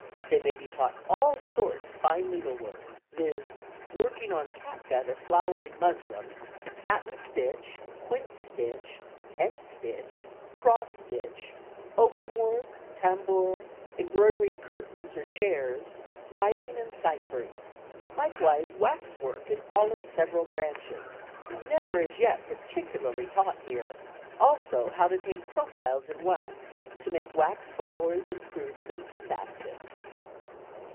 They may be taught all sorts fine needlework, viz., working on catgut or flowering muslin, sattin stitch, quince stitch, tent stitch, cross stitch, open work, tambour, embroidering curtains or chairs, writing and cyphering. Likewise waxwork in all its several branches, never as yet particularly taught here; also how to take profiles in wax, to make wax flowers and fruits and pinbaskets."